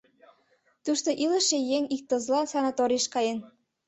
Тушто илыше еҥ ик тылзылан санаторийыш каен.